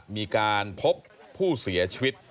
มีการพบผู้เสียชีวิต